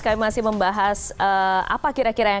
kami masih membahas apa kira kira yang